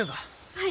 はい。